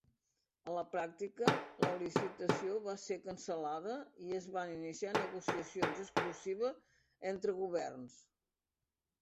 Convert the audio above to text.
A la pràctica, la licitació va ser cancel·lada i es van iniciar negociacions exclusives entre governs.